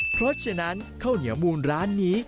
เพราะฉะนั้นข้าวเหนียวมูลร้านนี้